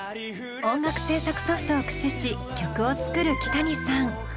音楽制作ソフトを駆使し曲を作るキタニさん。